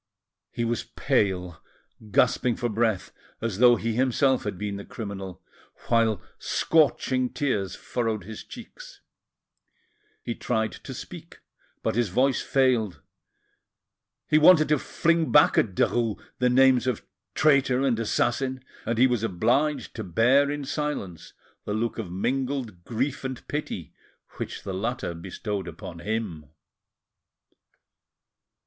He was pale, gasping for breath, as though he himself had been the criminal, while scorching tears furrowed his cheeks. He tried to speak, but his voice failed; he wanted to fling back at Derues the names of traitor and assassin, and he was obliged to bear in silence the look of mingled grief and pity which the latter bestowed upon him.